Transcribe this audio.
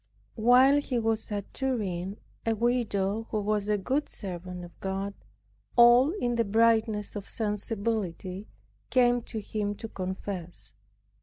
While he was at Turin, a widow who was a good servant of God, all in the brightness of sensibility, came to him to confess.